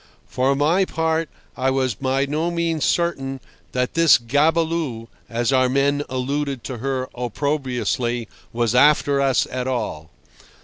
For my part I was by no means certain that this gabelou (as our men alluded to her opprobriously) was after us at all.